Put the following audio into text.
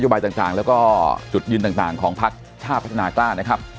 ต่างแล้วก็จุดยืนต่างของพักชาติพัฒนากล้านะครับ